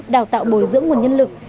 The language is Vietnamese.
đào tạo bồi dưỡng nguồn nhân lực